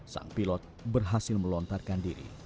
sang pilot berhasil melontarkan diri